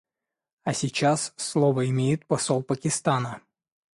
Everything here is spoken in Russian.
А сейчас слово имеет посол Пакистана.